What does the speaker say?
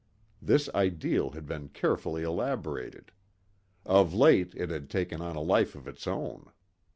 This ideal had been carefully elaborated. Of late it had taken on a life of its own.